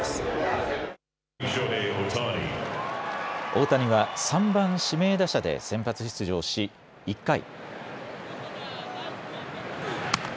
大谷は３番・指名打者で先発出場し、１回。